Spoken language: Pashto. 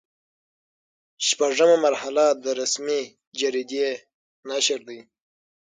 شپږمه مرحله د رسمي جریدې نشر دی.